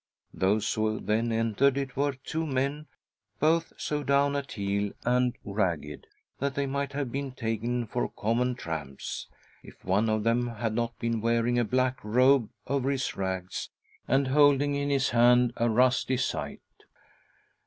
Those who then entered it were two men, both so down at heel and ragged that they might have been taken for common tramps, if one of them had not been wearing a black robe over his rags, and holding in his hand a rusty scythe.